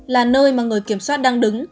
là nơi mà người kiểm soát đang đứng